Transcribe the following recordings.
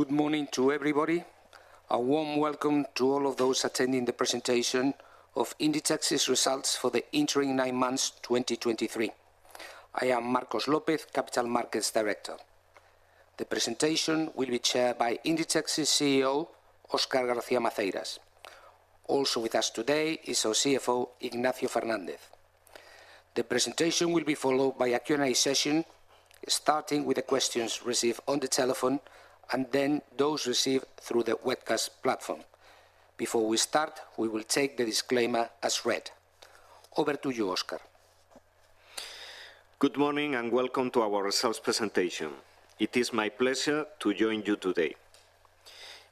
Good morning to everybody. A warm welcome to all of those attending the presentation of Inditex's Results for the Interim Nine Months, 2023. I am Marcos López, Capital Markets Director. The presentation will be chaired by Inditex's CEO, Óscar García Maceiras. Also with us today is our CFO, Ignacio Fernández. The presentation will be followed by a Q&A session, starting with the questions received on the telephone and then those received through the webcast platform. Before we start, we will take the disclaimer as read. Over to you, Oscar. Good morning, and welcome to our results presentation. It is my pleasure to join you today.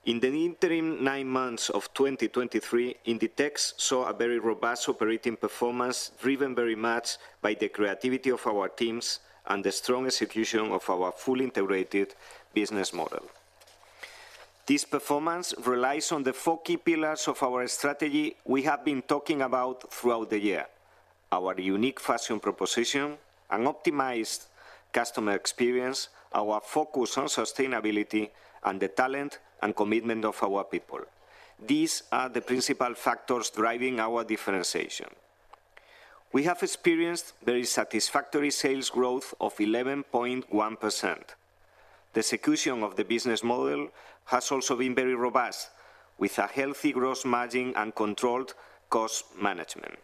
In the interim nine months of 2023, Inditex saw a very robust operating performance, driven very much by the creativity of our teams and the strong execution of our fully integrated business model. This performance relies on the four key pillars of our strategy we have been talking about throughout the year: our unique fashion proposition, an optimized customer experience, our focus on sustainability, and the talent and commitment of our people. These are the principal factors driving our differentiation. We have experienced very satisfactory sales growth of 11.1%. The execution of the business model has also been very robust, with a healthy gross margin and controlled cost management.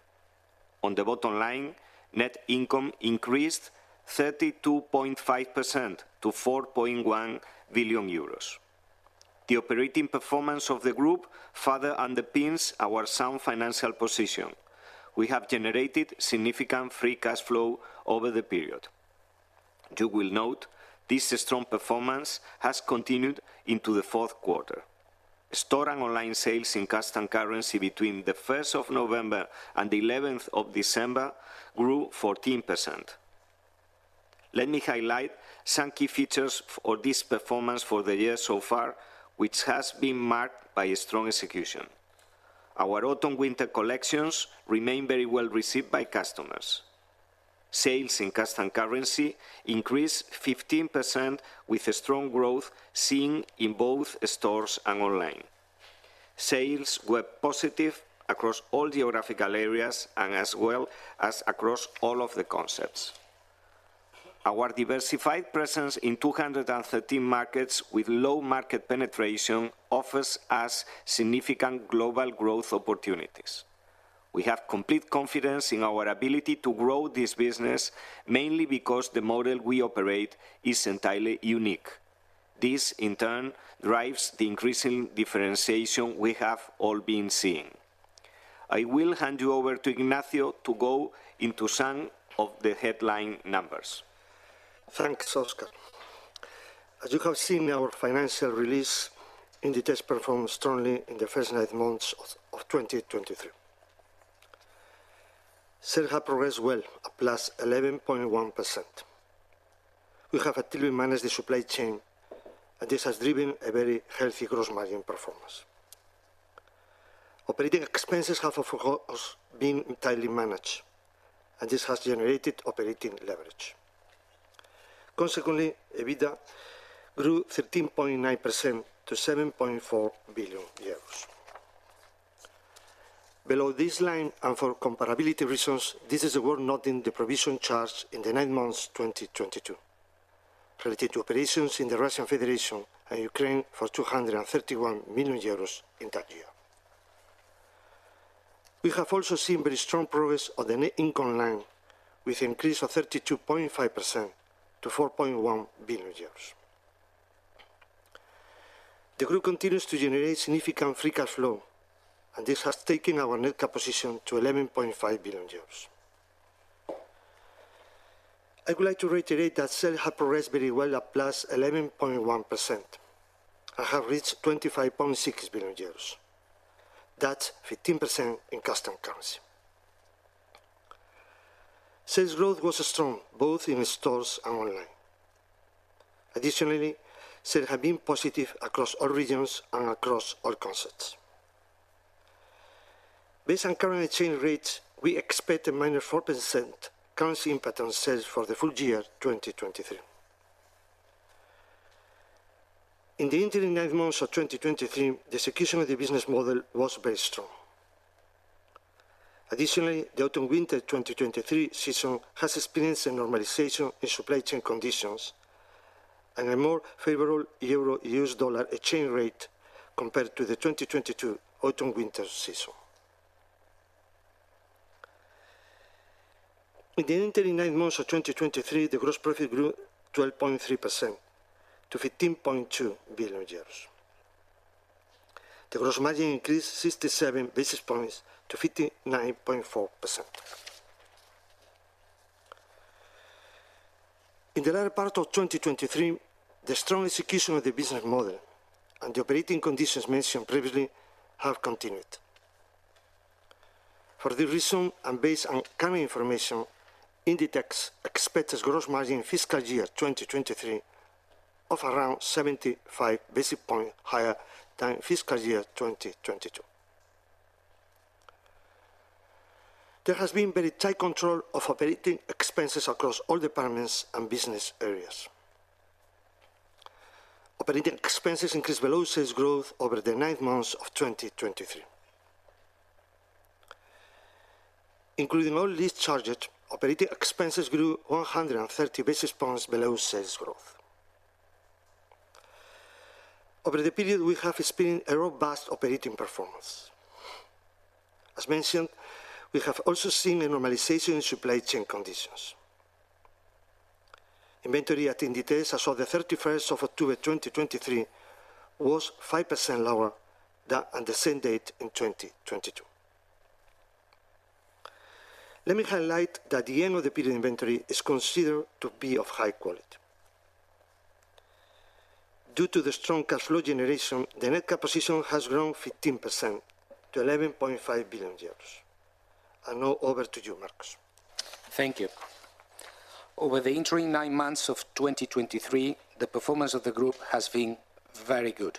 On the bottom line, net income increased 32.5% to 4.1 billion euros. The operating performance of the group further underpins our sound financial position. We have generated significant free cash flow over the period. You will note this strong performance has continued into the fourth quarter. Store and online sales in constant currency between the first of November and the eleventh of December grew 14%. Let me highlight some key features for this performance for the year so far, which has been marked by a strong execution. Our autumn/winter collections remain very well received by customers. Sales in constant currency increased 15%, with a strong growth seen in both stores and online. Sales were positive across all geographical areas and as well as across all of the concepts. Our diversified presence in 213 markets with low market penetration offers us significant global growth opportunities. We have complete confidence in our ability to grow this business, mainly because the model we operate is entirely unique. This, in turn, drives the increasing differentiation we have all been seeing. I will hand you over to Ignacio to go into some of the headline numbers. Thanks, Óscar. As you have seen in our financial release, Inditex performed strongly in the first nine months of 2023. Sales have progressed well, up +11.1%. We have actively managed the supply chain, and this has driven a very healthy gross margin performance. Operating expenses have, of course, been entirely managed, and this has generated operating leverage. Consequently, EBITDA grew 13.9% to 7.4 billion euros. Below this line, and for comparability reasons, this is worth noting the provision charge in the nine months twenty twenty-two, related to operations in the Russian Federation and Ukraine for 231 million euros in that year. We have also seen very strong progress on the net income line, with an increase of 32.5% to EUR 4.1 billion. The group continues to generate significant free cash flow, and this has taken our net cash position to 11.5 billion euros. I would like to reiterate that sales have progressed very well, at +11.1%, and have reached 25.6 billion euros. That's 15% in constant currency. Sales growth was strong, both in stores and online. Additionally, sales have been positive across all regions and across all concepts. Based on current exchange rates, we expect a minor 4% currency impact on sales for the full year 2023. In the interim nine months of 2023, the execution of the business model was very strong. Additionally, the autumn/winter 2023 season has experienced a normalization in supply chain conditions and a more favorable euro-U.S. dollar exchange rate compared to the 2022 autumn/winter season. In the interim nine months of 2023, the gross profit grew 12.3% to 15.2 billion euros. The gross margin increased 67 basis points to 59.4%. In the latter part of 2023, the strong execution of the business model and the operating conditions mentioned previously have continued. For this reason, and based on current information, Inditex expects its gross margin fiscal year 2023 of around 75 basis points higher than fiscal year 2022. There has been very tight control of operating expenses across all departments and business areas. Operating expenses increased below sales growth over the nine months of 2023. Including all lease charges, operating expenses grew 130 basis points below sales growth. Over the period, we have experienced a robust operating performance. As mentioned, we have also seen a normalization in supply chain conditions. Inventory at Inditex as of October 31st, 2023 was 5% lower than on the same date in 2022. Let me highlight that the end of the period inventory is considered to be of high quality. Due to the strong cash flow generation, the net cash position has grown 15% to 11.5 billion euros. Now over to you, Marcos. Thank you. Over the interim nine months of 2023, the performance of the group has been very good.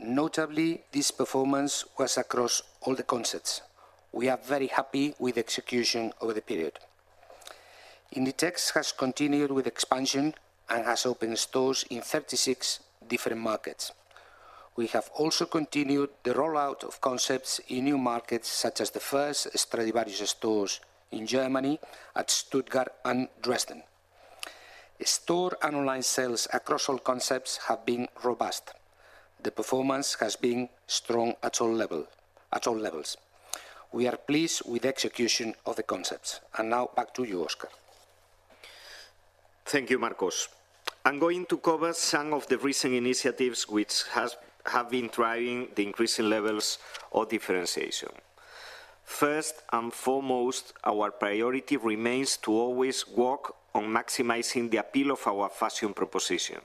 Notably, this performance was across all the concepts. We are very happy with execution over the period. Inditex has continued with expansion and has opened stores in 36 different markets. We have also continued the rollout of concepts in new markets, such as the first Stradivarius stores in Germany, at Stuttgart and Dresden. Store and online sales across all concepts have been robust. The performance has been strong at all levels. We are pleased with execution of the concepts. Now back to you, Óscar. Thank you, Marcos. I'm going to cover some of the recent initiatives which have been driving the increasing levels of differentiation. First and foremost, our priority remains to always work on maximizing the appeal of our fashion proposition.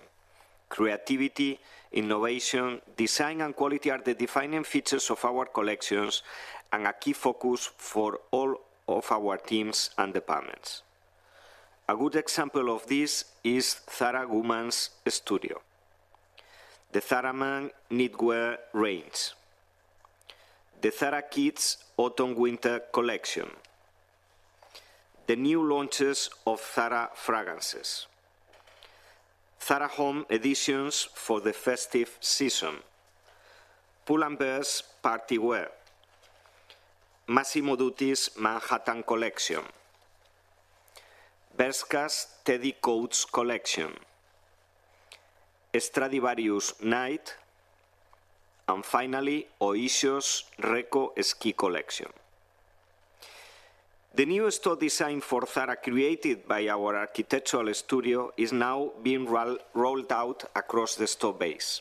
Creativity, innovation, design, and quality are the defining features of our collections and a key focus for all of our teams and departments. A good example of this is Zara Women's Studio, the Zara Man knitwear range, the Zara Kids autumn/winter collection, the new launches of Zara fragrances, Zara Home editions for the festive season, Pull&Bear's party wear, Massimo Dutti's Manhattan collection, Bershka's teddy coats collection, Stradivarius Night, and finally, Oysho's Recco Ski collection. The new store design for Zara, created by our architectural studio, is now being rolled out across the store base.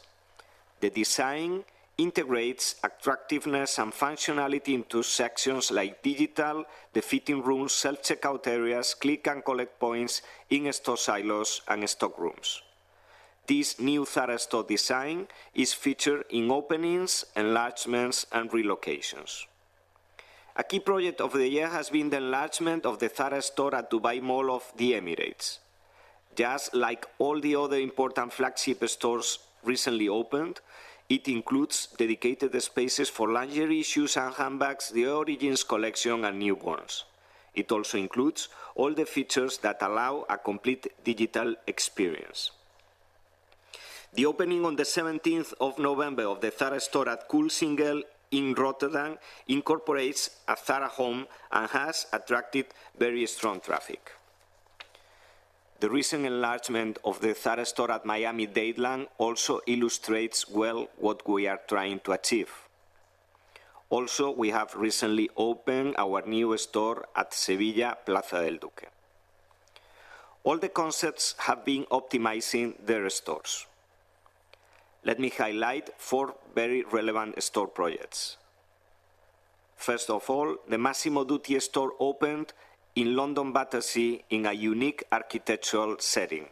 The design integrates attractiveness and functionality into sections like digital, the fitting rooms, self-checkout areas, click and collect points, in-store silos, and stock rooms. This new Zara store design is featured in openings, enlargements, and relocations. A key project of the year has been the enlargement of the Zara store at Dubai Mall of the Emirates. Just like all the other important flagship stores recently opened, it includes dedicated spaces for lingerie, shoes, and handbags, the Origins collection, and newborns. It also includes all the features that allow a complete digital experience. The opening on the 17th of November of the Zara store at Coolsingel in Rotterdam incorporates a Zara Home and has attracted very strong traffic. The recent enlargement of the Zara store at Miami Dadeland also illustrates well what we are trying to achieve. Also, we have recently opened our new store at Seville, Plaza del Duque. All the concepts have been optimizing their stores. Let me highlight four very relevant store projects. First of all, the Massimo Dutti store opened in London Battersea in a unique architectural setting.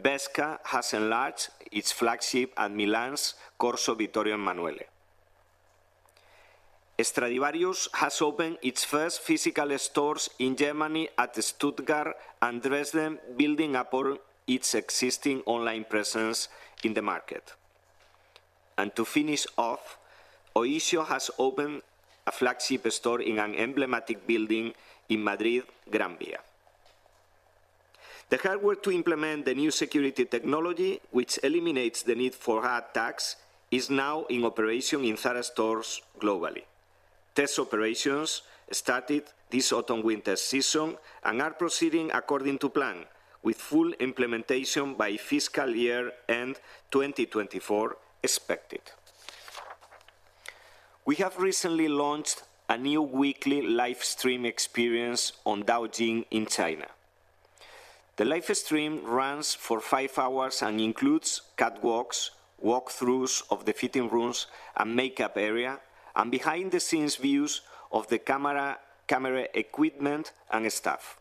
Bershka has enlarged its flagship at Milan's Corso Vittorio Emanuele. Stradivarius has opened its first physical stores in Germany, at Stuttgart and Dresden, building upon its existing online presence in the market. And to finish off, Oysho has opened a flagship store in an emblematic building in Madrid, Gran Vía. The hard work to implement the new security technology, which eliminates the need for hard tags, is now in operation in Zara stores globally. Test operations started this autumn/winter season and are proceeding according to plan, with full implementation by fiscal year-end 2024 expected. We have recently launched a new weekly live stream experience on Douyin in China. The live stream runs for five hours and includes catwalks, walkthroughs of the fitting rooms and makeup area, and behind-the-scenes views of the camera, camera equipment, and staff.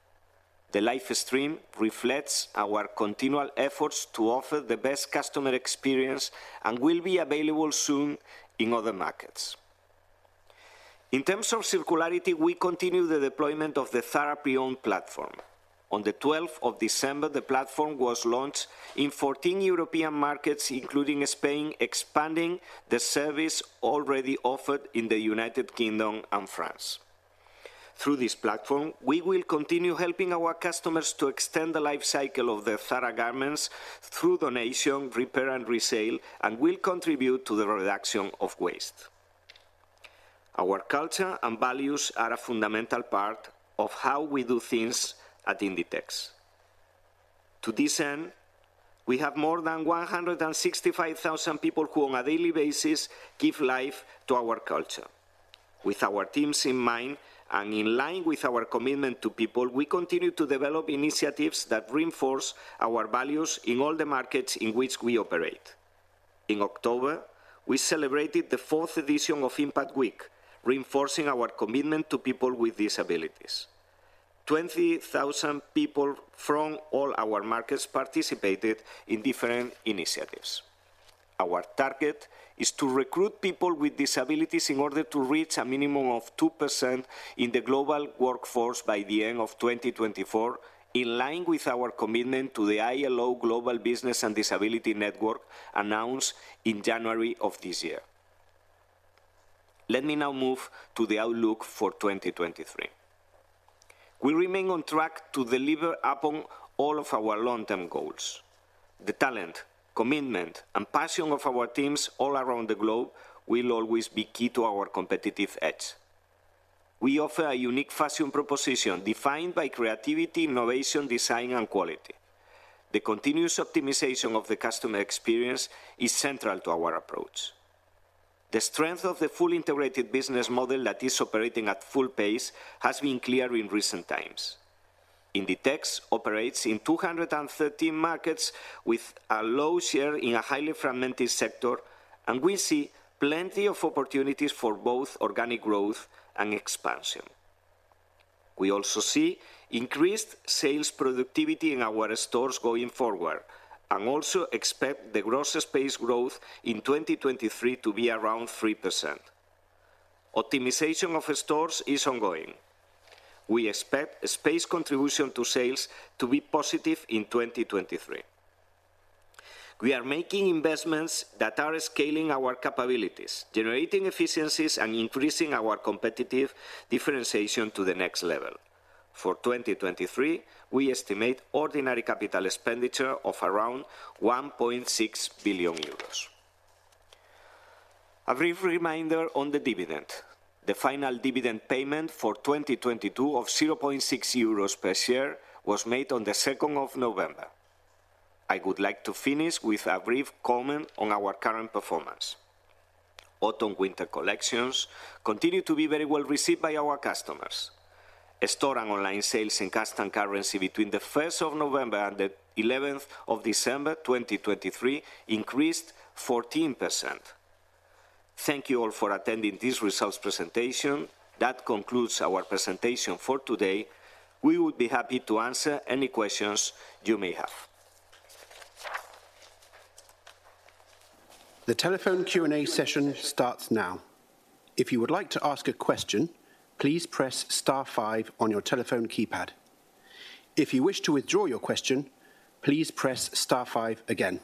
The live stream reflects our continual efforts to offer the best customer experience and will be available soon in other markets. In terms of circularity, we continue the deployment of the Zara Pre-Owned platform. On the twelfth of December, the platform was launched in 14 European markets, including Spain, expanding the service already offered in the United Kingdom and France. Through this platform, we will continue helping our customers to extend the life cycle of their Zara garments through donation, repair, and resale, and will contribute to the reduction of waste. Our culture and values are a fundamental part of how we do things at Inditex. To this end, we have more than 165,000 people who, on a daily basis, give life to our culture. With our teams in mind and in line with our commitment to people, we continue to develop initiatives that reinforce our values in all the markets in which we operate. In October, we celebrated the fourth edition of Impact Week, reinforcing our commitment to people with disabilities. 20,000 people from all our markets participated in different initiatives. Our target is to recruit people with disabilities in order to reach a minimum of 2% in the global workforce by the end of 2024, in line with our commitment to the ILO Global Business and Disability Network, announced in January of this year. Let me now move to the outlook for 2023. We remain on track to deliver upon all of our long-term goals. The talent, commitment, and passion of our teams all around the globe will always be key to our competitive edge. We offer a unique fashion proposition defined by creativity, innovation, design, and quality. The continuous optimization of the customer experience is central to our approach. The strength of the fully integrated business model that is operating at full pace has been clear in recent times. Inditex operates in 213 markets with a low share in a highly fragmented sector, and we see plenty of opportunities for both organic growth and expansion. We also see increased sales productivity in our stores going forward, and also expect the gross space growth in 2023 to be around 3%. Optimization of stores is ongoing. We expect space contribution to sales to be positive in 2023. We are making investments that are scaling our capabilities, generating efficiencies, and increasing our competitive differentiation to the next level. For 2023, we estimate ordinary capital expenditure of around 1.6 billion euros. A brief reminder on the dividend. The final dividend payment for 2022 of 0.6 euros per share was made on the second of November. I would like to finish with a brief comment on our current performance. Autumn/winter collections continue to be very well received by our customers. Store and online sales in constant currency between the first of November and the eleventh of December 2023 increased 14%. Thank you all for attending this results presentation. That concludes our presentation for today. We would be happy to answer any questions you may have. The telephone Q&A session starts now. If you would like to ask a question, please press star five on your telephone keypad. If you wish to withdraw your question, please press star five again.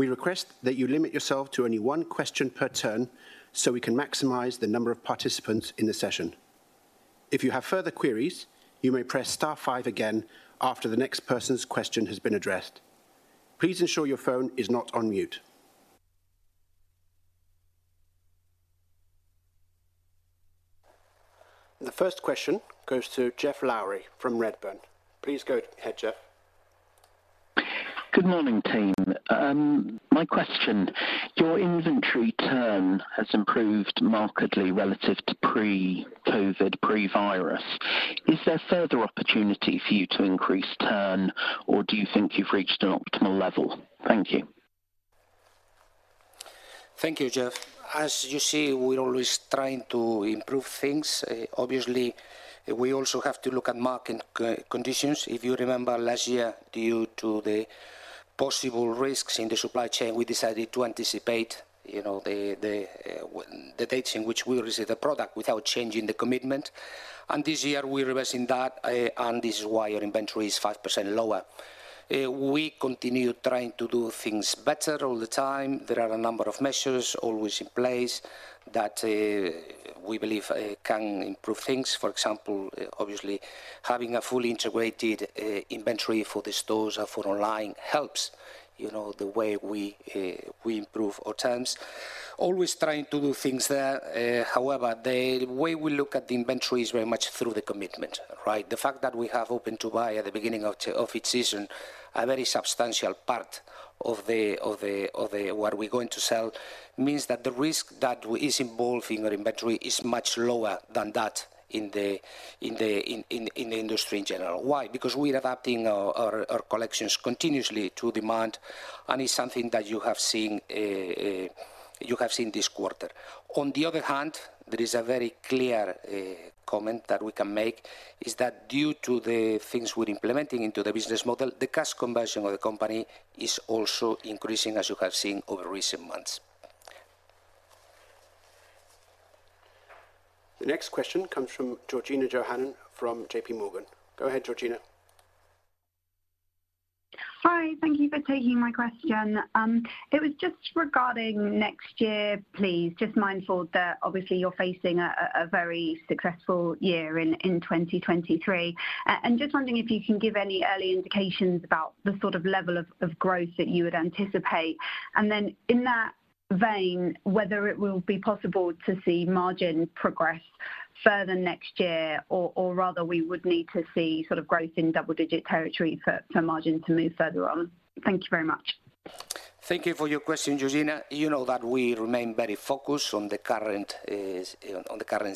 We request that you limit yourself to only one question per turn, so we can maximize the number of participants in the session. If you have further queries, you may press star five again after the next person's question has been addressed. Please ensure your phone is not on mute. The first question goes to Geoff Lowery from Redburn. Please go ahead, Jeff. Good morning, team. My question, your inventory turn has improved markedly relative to pre-COVID, pre-virus. Is there further opportunity for you to increase turn, or do you think you've reached an optimal level? Thank you. Thank you, Jeff. As you see, we're always trying to improve things. Obviously, we also have to look at market conditions. If you remember last year, due to the possible risks in the supply chain, we decided to anticipate, you know, the dates in which we will receive the product without changing the commitment. And this year, we're reversing that, and this is why our inventory is 5% lower. We continue trying to do things better all the time. There are a number of measures always in place that we believe can improve things. For example, obviously, having a fully integrated inventory for the stores or for online helps, you know, the way we improve our terms. Always trying to do things there, however, the way we look at the inventory is very much through the commitment, right? The fact that we have open to buy at the beginning of each season, a very substantial part of the what we're going to sell, means that the risk that we is involved in our inventory is much lower than that in the industry in general. Why? Because we're adapting our collections continuously to demand, and it's something that you have seen this quarter. On the other hand, there is a very clear comment that we can make, is that due to the things we're implementing into the business model, the cash conversion of the company is also increasing, as you have seen over recent months. The next question comes from Georgina Johanan, from JPMorgan. Go ahead, Georgina. Hi, thank you for taking my question. It was just regarding next year, please. Just mindful that obviously you're facing a very successful year in 2023. And just wondering if you can give any early indications about the sort of level of growth that you would anticipate? And then in that vein, whether it will be possible to see margin progress further next year, or rather, we would need to see sort of growth in double-digit territory for margin to move further on. Thank you very much. Thank you for your question, Georgina. You know that we remain very focused on the current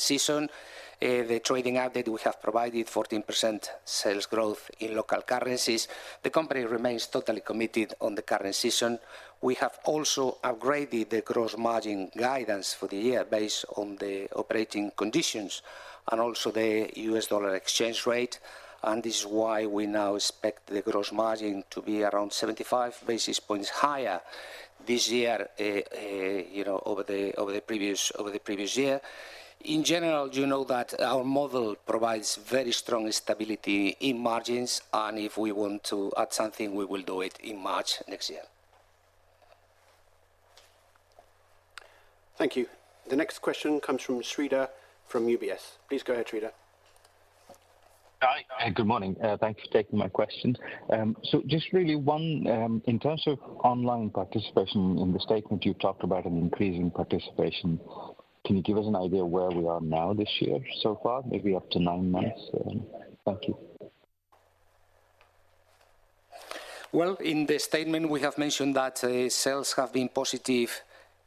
season. The trading update, we have provided 14% sales growth in local currencies. The company remains totally committed on the current season. We have also upgraded the gross margin guidance for the year based on the operating conditions and also the U.S. dollar exchange rate, and this is why we now expect the gross margin to be around 75 basis points higher this year, you know, over the previous year. In general, you know that our model provides very strong stability in margins, and if we want to add something, we will do it in March next year. Thank you. The next question comes from Sreedhar from UBS. Please go ahead, Sridhar. Hi, and good morning. Thanks for taking my question. So just really one, in terms of online participation, in the statement, you talked about an increase in participation. Can you give us an idea where we are now this year so far, maybe up to nine months? Thank you. Well, in the statement, we have mentioned that sales have been positive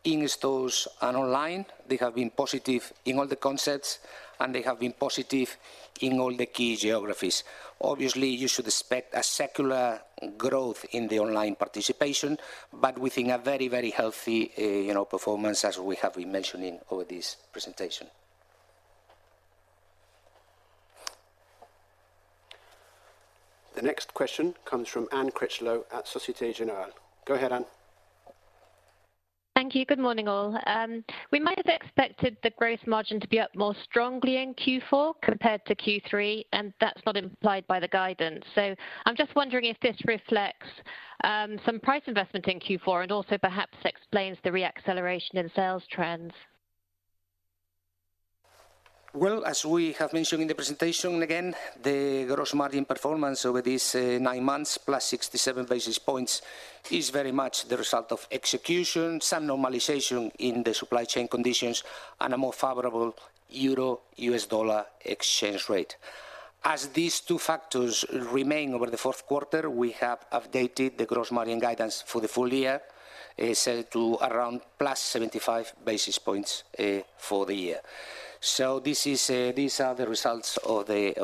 in stores and online. They have been positive in all the concepts, and they have been positive in all the key geographies. Obviously, you should expect a secular growth in the online participation, but within a very, very healthy, you know, performance, as we have been mentioning over this presentation. The next question comes from Anne Critchlow at Societe Generale. Go ahead, Anne. Thank you. Good morning, all. We might have expected the growth margin to be up more strongly in Q4 compared to Q3, and that's not implied by the guidance. I'm just wondering if this reflects some price investment in Q4 and also perhaps explains the re-acceleration in sales trends. Well, as we have mentioned in the presentation, again, the gross margin performance over these nine months, plus 67 basis points, is very much the result of execution, some normalization in the supply chain conditions, and a more favorable euro-U.S. dollar exchange rate. As these two factors remain over the fourth quarter, we have updated the gross margin guidance for the full year to around plus 75 basis points for the year. So this is these are the results of the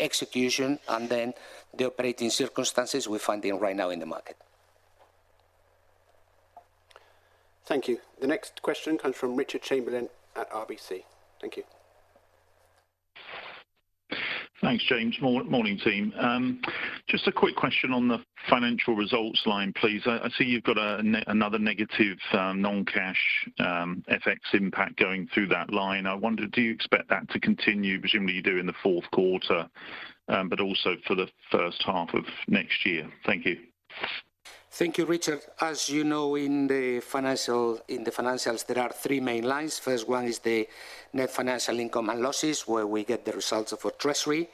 execution and then the operating circumstances we're finding right now in the market. Thank you. The next question comes from Richard Chamberlain at RBC. Thank you. Thanks, James. Morning, team. Just a quick question on the financial results line, please. I see you've got another negative, non-cash, FX impact going through that line. I wondered, do you expect that to continue, presumably you do, in the fourth quarter, but also for the first half of next year? Thank you. Thank you, Richard. As you know, in the financials, there are three main lines. First one is the net financial income and losses, where we get the results of our treasury.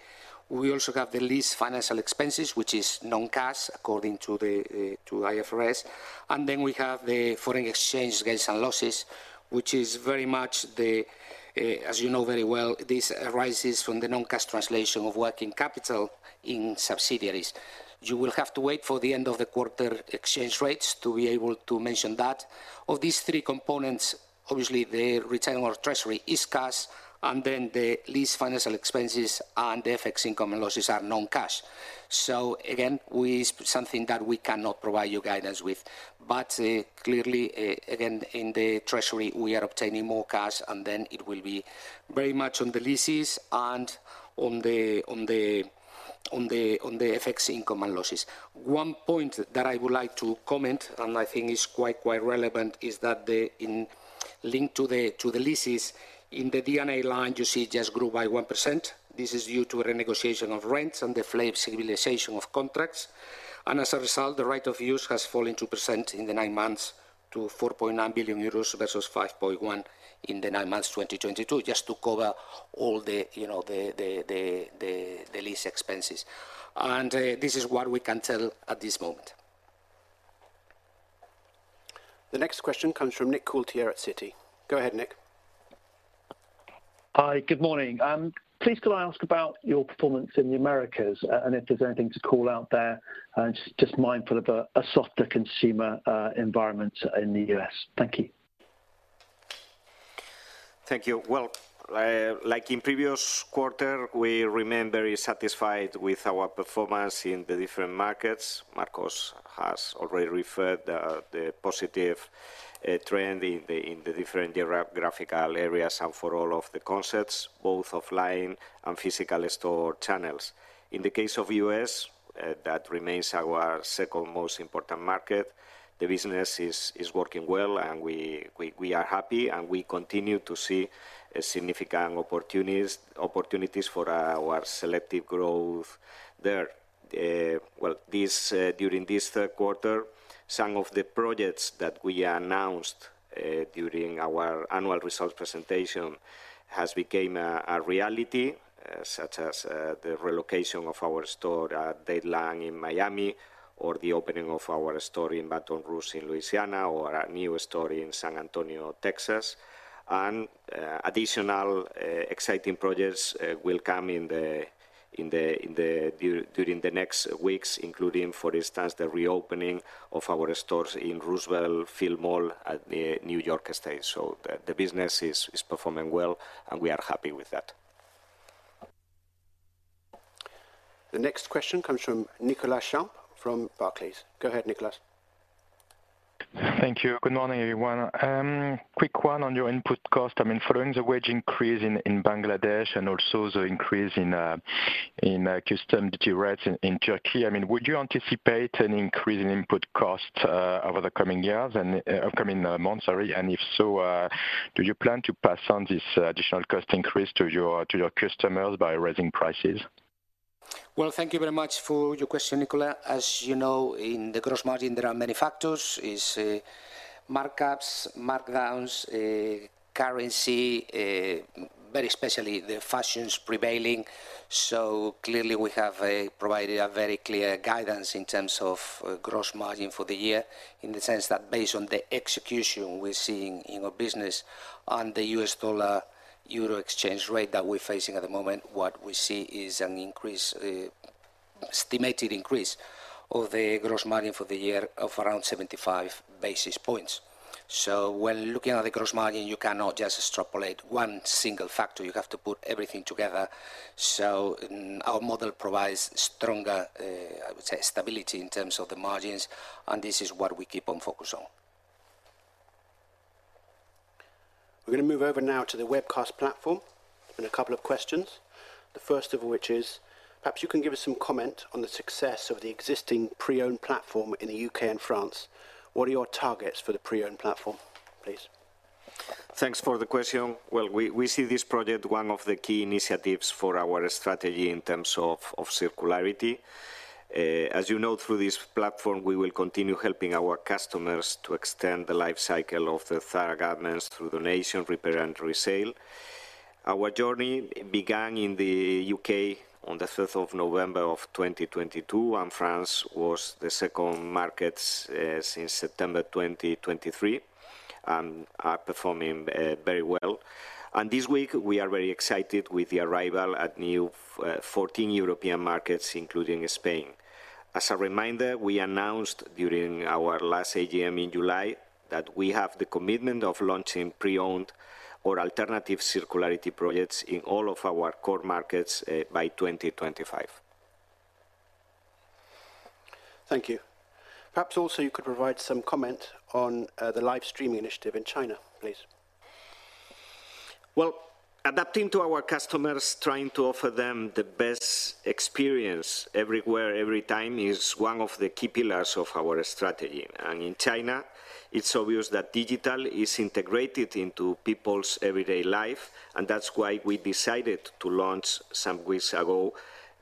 We also have the lease financial expenses, which is non-cash, according to the to IFRS. And then we have the foreign exchange gains and losses, which is very much the, as you know very well, this arises from the non-cash translation of working capital in subsidiaries. You will have to wait for the end of the quarter exchange rates to be able to mention that. Of these three components, obviously, the return on treasury is cash, and then the lease financial expenses and the FX income and losses are non-cash. So again, we, something that we cannot provide you guidance with. But clearly, again, in the treasury, we are obtaining more cash, and then it will be very much on the leases and on the FX income and losses. One point that I would like to comment, and I think is quite relevant, is that the link to the leases in the D&A line, you see, just grew by 1%. This is due to a renegotiation of rents and the flat stabilization of contracts. And as a result, the right-of-use has fallen 2% in the nine months to 4.9 billion euros versus 5.1 billion in the nine months 2022, just to cover all the, you know, lease expenses. And this is what we can tell at this moment. The next question comes from Nick Coulter at Citi. Go ahead, Nick. Hi, good morning. Please, can I ask about your performance in the Americas, and if there's anything to call out there? Just mindful of a softer consumer environment in the U.S. Thank you. Thank you. Well, like in previous quarter, we remain very satisfied with our performance in the different markets. Marcos has already referred, the positive, trend in the, in the different geo-geographical areas and for all of the concepts, both offline and physical store channels. In the case of U.S., that remains our second most important market. The business is working well, and we are happy, and we continue to see significant opportunities for our selective growth there. Well, during this third quarter, some of the projects that we announced during our annual results presentation has became a reality, such as the relocation of our store at Dadeland in Miami, or the opening of our store in Baton Rouge in Louisiana, or our new store in San Antonio, Texas. Additional exciting projects will come during the next weeks, including, for instance, the reopening of our stores in Roosevelt Field Mall at the New York State. So the business is performing well, and we are happy with that. The next question comes from Nicolas Champ from Barclays. Go ahead, Nicholas. Thank you. Good morning, everyone. Quick one on your input cost. I mean, following the wage increase in Bangladesh and also the increase in customs duty rates in Turkey, I mean, would you anticipate an increase in input costs over the coming years and upcoming months? Sorry. And if so, do you plan to pass on this additional cost increase to your customers by raising prices? Well, thank you very much for your question, Nicholas. As you know, in the gross margin, there are many factors. It's markups, markdowns, currency, very especially the fashions prevailing. So clearly, we have provided a very clear guidance in terms of gross margin for the year, in the sense that based on the execution we're seeing in our business and the US dollar, euro exchange rate that we're facing at the moment, what we see is an increase, estimated increase of the gross margin for the year of around 75 basis points. So when looking at the gross margin, you cannot just extrapolate one single factor. You have to put everything together. So our model provides stronger, I would say, stability in terms of the margins, and this is what we keep on focus on. We're gonna move over now to the webcast platform and a couple of questions. The first of which is, perhaps you can give us some comment on the success of the existing pre-owned platform in the UK and France. What are your targets for the pre-owned platform, please? Thanks for the question. Well, we see this project, one of the key initiatives for our strategy in terms of circularity. As you know, through this platform, we will continue helping our customers to extend the life cycle of the Zara garments through donation, repair, and resale. Our journey began in the U.K. on the fifth of November 2022, and France was the second markets since September 2023, and are performing very well. And this week, we are very excited with the arrival at new 14 European markets, including Spain. As a reminder, we announced during our last AGM in July, that we have the commitment of launching pre-owned or alternative circularity projects in all of our core markets by 2025. Thank you. Perhaps also, you could provide some comment on the live streaming initiative in China, please. Well, adapting to our customers, trying to offer them the best experience everywhere, every time, is one of the key pillars of our strategy. And in China, it's obvious that digital is integrated into people's everyday life, and that's why we decided to launch some weeks ago,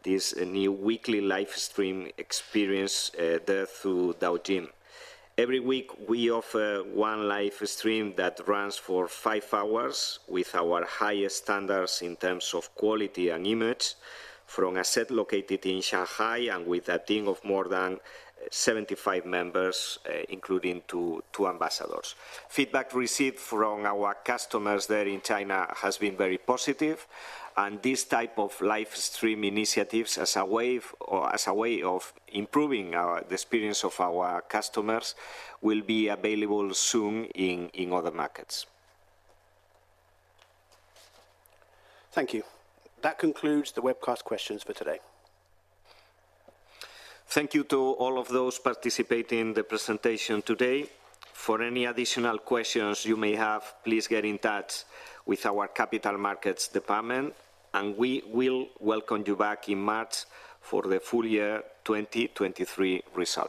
this new weekly live stream experience, there through Douyin. Every week, we offer one live stream that runs for five hours with our highest standards in terms of quality and image from a set located in Shanghai, and with a team of more than 75 members, including two ambassadors. Feedback received from our customers there in China has been very positive, and this type of live stream initiatives as a way of improving our, the experience of our customers, will be available soon in other markets. Thank you. That concludes the webcast questions for today. Thank you to all of those participating in the presentation today. For any additional questions you may have, please get in touch with our capital markets department, and we will welcome you back in March for the full year 2023 results.